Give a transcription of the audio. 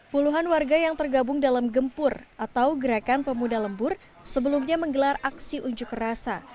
puluhan warga yang tergabung dalam gempur atau gerakan pemuda lembur sebelumnya menggelar aksi unjuk rasa